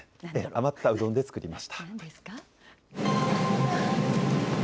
余ったうどんで作りました。